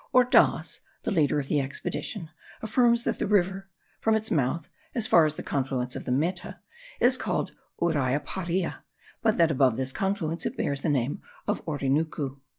Ordaz, the leader of the expedition, affirms that the river, from its mouth as far as the confluence of the Meta, is called Uriaparia, but that above this confluence it bears the name of Orinucu.